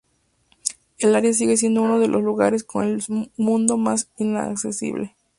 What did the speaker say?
El área sigue siendo uno de los lugares en el mundo más inaccesibles.